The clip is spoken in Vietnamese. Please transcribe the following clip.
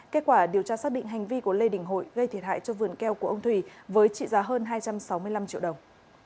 kết quả điều tra xác định hành vi của lê đình hội gây thiệt hại cho vườn keo của ông thủy với trị giá hơn hai trăm sáu mươi năm triệu đồng